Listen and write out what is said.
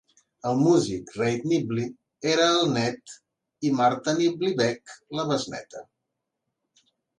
El músic Reid Nibley era el nét i Martha Nibley Beck, la besnéta.